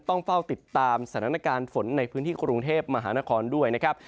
ต้องเฝ้าติดตามสถานการณ์ฝนในพื้นที่กรุงเทพมหานครด้วยนะครับ